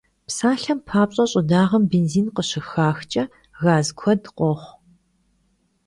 Psalhem papş'e, ş'ıdağem bênzin khışıxaxç'e gaz kued khoxhu.